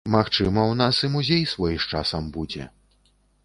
Магчыма, у нас і музей свой з часам будзе.